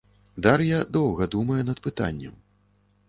Дар'я доўга думае над пытаннем.